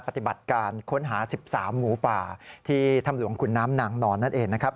ปฏิบัติการค้นหา๑๓หมูป่าที่ถ้ำหลวงขุนน้ำนางนอนนั่นเองนะครับ